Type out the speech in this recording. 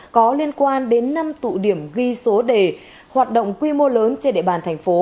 có liên quan đến năm tụ điểm ghi số đề hoạt động quy mô lớn trên địa bàn thành phố